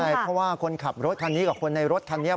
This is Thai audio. ใช่เพราะว่าคนขับรถคันนี้กับคนในรถคันนี้